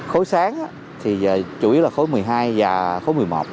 khối sáng thì chủ yếu là khối một mươi hai và khối một mươi một